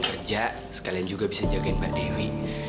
buat jadi cleaning service rumah sakit kayak gini